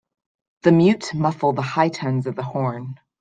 The mute muffled the high tones of the horn.